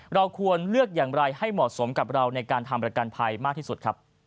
เราควรเลือกอย่างไรให้เหมาะสมกับเราในการทำประกันภัยมากที่สุดครับ